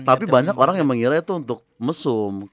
tapi banyak orang yang mengira itu untuk mesum